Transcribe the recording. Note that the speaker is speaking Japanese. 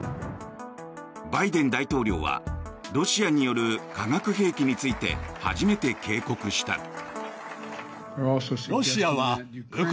バイデン大統領はロシアによる化学兵器について初めて警告した。